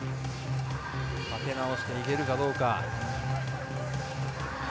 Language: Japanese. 立て直していけるかどうか。